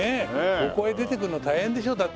ここへ出てくるの大変でしょだって。